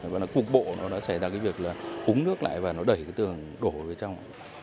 và cuộc bộ nó đã xảy ra việc húng nước lại và đẩy tường đổ vào phía trong